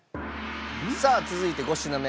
さあ続いて５品目